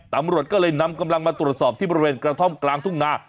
ตำรวจก็เลยนำกำลังมาตรวจสอบที่บริเวณกระท่อมกลางทุ่งนา